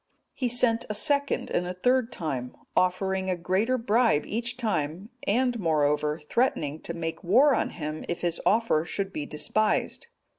He sent a second and a third time, offering a greater bribe each time, and, moreover, threatening to make war on him if his offer should be despised.